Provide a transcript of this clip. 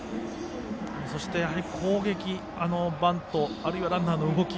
そして攻撃、バントあるいはランナーの動き。